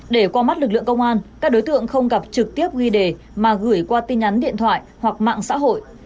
để qua mắt lực lượng công an các đối tượng không gặp trực tiếp ghi đề mà gửi qua tin nhắn điện thoại hoặc mạng xã hội